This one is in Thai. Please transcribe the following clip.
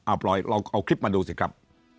เอาลองเอาคลิปมาดูสิครับ